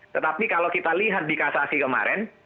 tetapi kalau kita lihat di kasasi kemarin